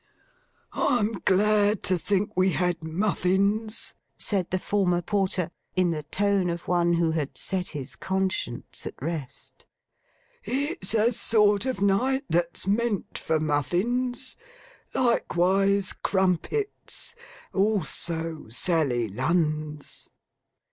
'I'm glad to think we had muffins,' said the former porter, in the tone of one who had set his conscience at rest. 'It's a sort of night that's meant for muffins. Likewise crumpets. Also Sally Lunns.